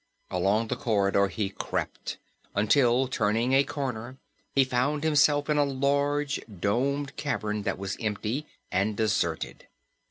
Along the corridor he crept until, turning a corner, he found himself in a large domed cavern that was empty and deserted.